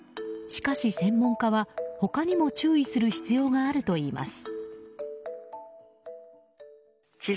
しかし専門家は他にも注意する必要があるといいます。